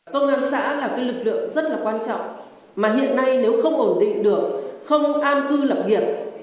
công an xã là lực lượng rất là quan trọng mà hiện nay nếu không ổn định được không an cư lập nghiệp